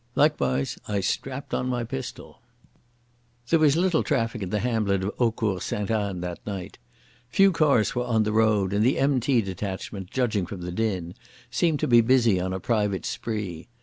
Likewise I strapped on my pistol. There was little traffic in the hamlet of Eaucourt Sainte Anne that night. Few cars were on the road, and the M.T. detachment, judging from the din, seemed to be busy on a private spree.